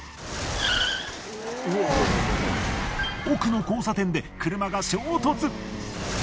奥の交差点で車が衝突！